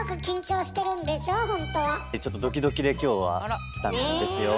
ちょっとドキドキで今日は来たんですよ。